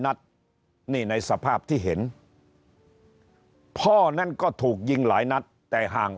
นัดนี่ในสภาพที่เห็นพ่อนั้นก็ถูกยิงหลายนัดแต่ห่าง